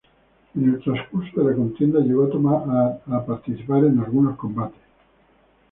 En el transcurso de la contienda llegó a tomar participar en algunos combates.